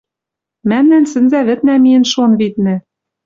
Мӓмнӓн сӹнзавӹднӓ миэн шон, виднӹ